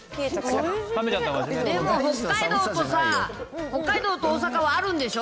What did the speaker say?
でも北海道とさ、大阪はあるんでしょ？